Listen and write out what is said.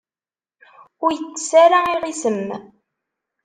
Ur yettess ara iɣisem.